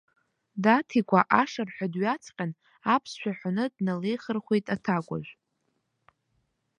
Даҭикәа ашырҳәа дҩаҵҟьан, аԥсшәа ҳәаны дналеихырхәеит аҭакәажә.